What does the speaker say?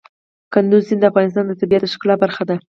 کندز سیند د افغانستان د طبیعت د ښکلا برخه ده.